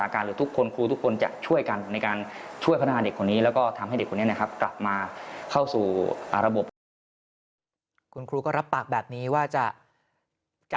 คุณครูก็รับปากแบบนี้ว่าจะ